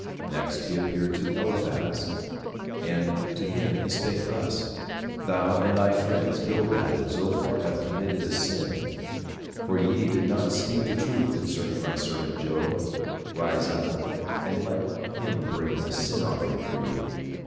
Next he appeared unto Eliphaz, and to him He spake thus: "Thou and thy friends Bildad and Zophar have committed a sin, for ye did not speak the truth concerning my servant Job. Rise up and let him bring a sin offering for you.